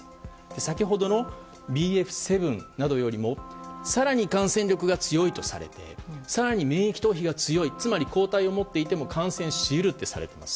先ほどのＢＦ．７などよりも更に感染力が強いとされていて更に免疫逃避が強いつまり抗体を持っていても感染し得るとされます。